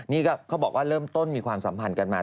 นี่ก็เขาบอกว่าเริ่มต้นมีความสัมพันธ์กันมา